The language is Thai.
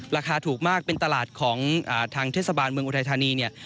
ราคาถูกมากเป็นตลาดของทางเทศบาลเมืองอุทัยธานีเนี่ย